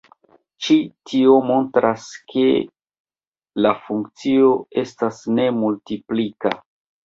Ĉi tio montras ke la funkcio estas ne multiplika.